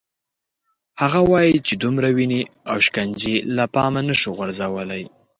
هغه وايي چې دومره وینې او شکنجې له پامه نه شو غورځولای.